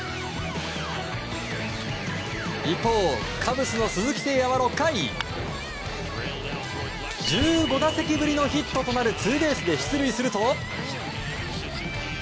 一方、カブスの鈴木誠也は６回１５打席ぶりのヒットとなるツーベースで出塁すると。